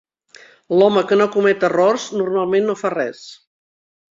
L'home que no comet errors, normalment no fa res.